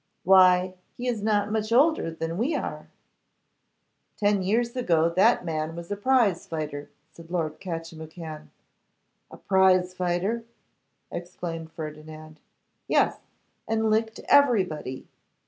'Why, he is not much older than we are!' 'Ten years ago that man was a prizefighter,' said Lord Catchimwhocan. 'A prizefighter!' exclaimed Ferdinand. 'Yes; and licked everybody.